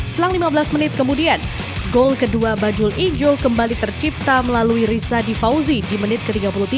selang lima belas menit kemudian gol kedua bajul ijo kembali tercipta melalui rizadi fauzi di menit ke tiga puluh tiga